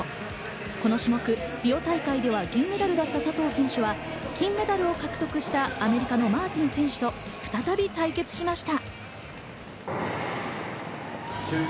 この種目リオ大会では銀メダルだった佐藤選手は金メダルを獲得した、アメリカのマーティン選手と再び対決しました。